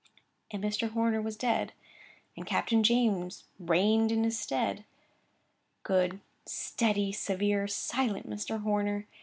And Mr. Horner was dead, and Captain James reigned in his stead. Good, steady, severe, silent Mr. Horner!